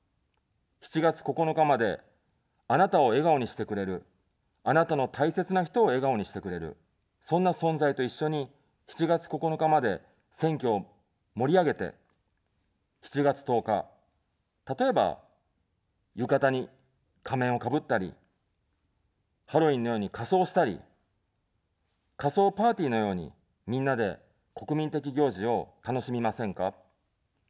７月９日まで、あなたを笑顔にしてくれる、あなたの大切な人を笑顔にしてくれる、そんな存在と一緒に、７月９日まで選挙を盛り上げて、７月１０日、例えば、浴衣に仮面をかぶったり、ハロウィーンのように仮装したり、仮装パーティーのように、みんなで、国民的行事を楽しみませんか。